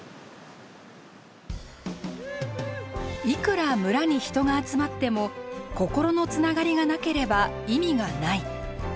いくら村に人が集まっても心のつながりがなければ意味がない。